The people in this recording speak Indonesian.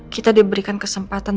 kita diberikan kesempatan